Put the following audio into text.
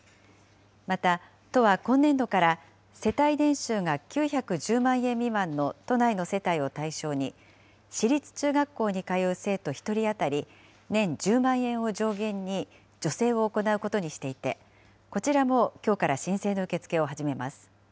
また都は今年度から世帯年収が９１０万円未満の都内の世帯を対象に、私立中学校に通う生徒１人当たり、年１０万円を上限に助成を行うことにしていて、こちらもきょうから申請の受け付けを始めます。